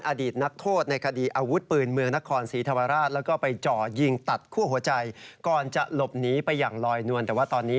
และเข้าอยู่ในอาวุธเปือนตะหน้ากองสิริธวรราช